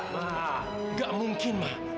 mak gak mungkin mak